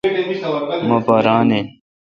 مہ پا ران این۔